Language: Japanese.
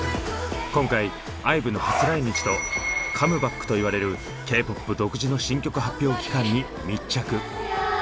今回ＩＶＥの初来日と「カムバック」と言われるＫーＰＯＰ独自の新曲発表期間に密着。